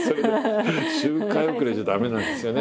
周回遅れじゃ駄目なんですよね。